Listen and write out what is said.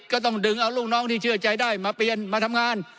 ก็ต้องดึงเอาลูกน้องที่เชื่อใจได้มาเปลี่ยนมาทำงาน